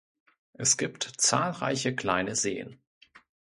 Es gibt zahlreiche kleine Seen.